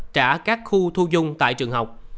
trả các khu thu dung tại trường học